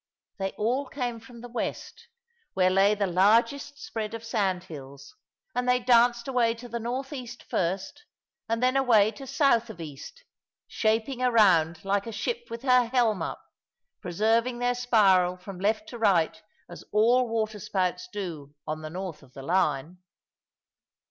They all came from the west, where lay the largest spread of sandhills, and they danced away to the north east first, and then away to south of east, shaping a round like a ship with her helm up, preserving their spiral from left to right as all waterspouts do on the north of the Line.